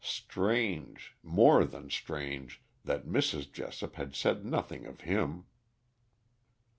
Strange, more than strange, that Mrs. Jessop had said nothing of him.